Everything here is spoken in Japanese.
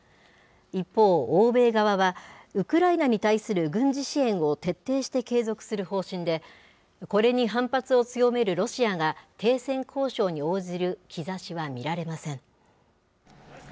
一方、欧米側は、ウクライナに対する軍事支援を徹底して継続する方針で、これに反発を強めるロシアが、停戦交渉に応じる兆しは見られません。